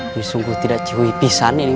ini sungguh tidak cipu hipisannya nih